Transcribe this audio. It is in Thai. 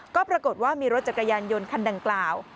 ก็ปรากฏว่ามีรถจักรยานยนต์คันดังกล่าว